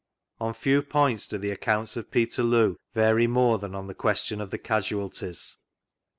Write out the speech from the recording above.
Oh few points do the acwunts of Peterloo vary more than on the question of the casualties.